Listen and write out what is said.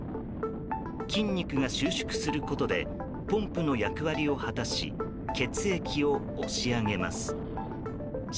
筋肉が収縮することでポンプの役割を果たし血液を押し上げます。